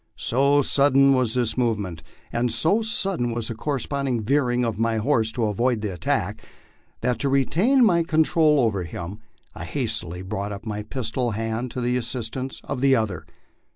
So sudden was this movement, and so sudden was the corresponding veering of my horse to avoid the attack, that to retain my con trol over him I hastily brought up my pistol hand to the assistance of the other.